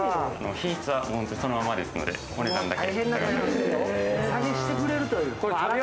品質はそのままですのでお値段だけ。